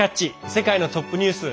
世界のトップニュース」。